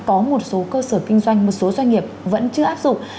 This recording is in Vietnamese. có một số cơ sở kinh doanh một số doanh nghiệp vẫn chưa áp dụng